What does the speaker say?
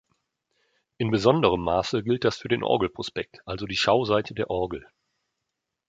In besonderem Maße gilt das für den Orgelprospekt, also die Schauseite der Orgel.